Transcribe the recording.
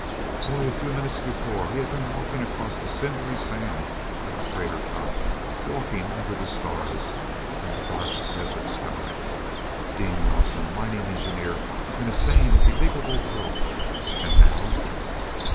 Only a few minutes before, he had been walking across the cindery sand of the crater top, walking under the stars and the dark desert sky—Dean Rawson, mining engineer, in a sane, believable world. And now...!